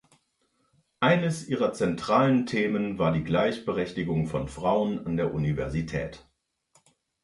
Eines ihrer zentralen Themen war die Gleichberechtigung von Frauen an der Universität.